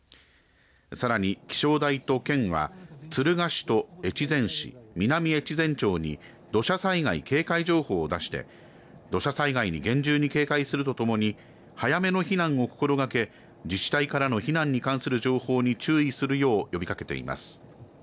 さらに気象台と県は敦賀市と越前市、南越前町に土砂災害警戒情報を出して土砂災害に厳重に警戒するとともに早めの避難を心がけ自治体からの避難に関する情報に注意するよう呼びかけています。